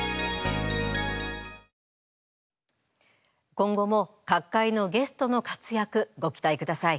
今後も各界のゲストの活躍ご期待ください。